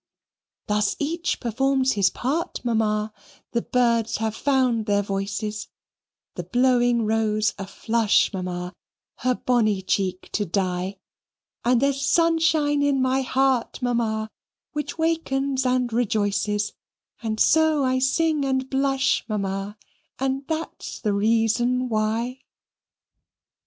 Thus each performs his part, Mamma, the birds have found their voices, The blowing rose a flush, Mamma, her bonny cheek to dye; And there's sunshine in my heart, Mamma, which wakens and rejoices, And so I sing and blush, Mamma, and that's the reason why.